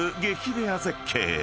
レア絶景］